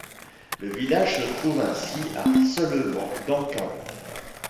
Le village se trouve ainsi à seulement d'Encamp.